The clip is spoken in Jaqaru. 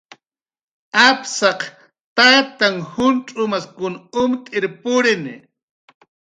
Apsaq tananh juncx'umas umt'ir purini